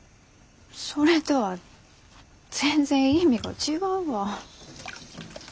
それとは全然意味が違うわ。